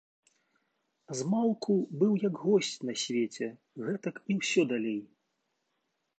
Змалку быў як госць на свеце, гэтак і ўсё далей.